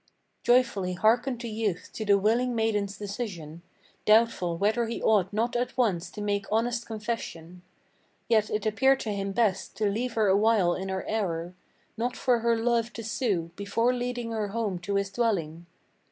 Joyfully hearkened the youth to the willing maiden's decision, Doubtful whether he ought not at once to make honest confession. Yet it appeared to him best to leave her awhile in her error, Nor for her love to sue, before leading her home to his dwelling.